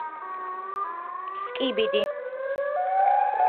სკიბიდი